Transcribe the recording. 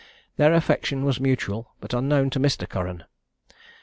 Their affection was mutual, but unknown to Mr. Curran.